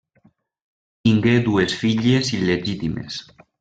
Tingué dues filles il·legítimes: